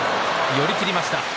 寄り切りました。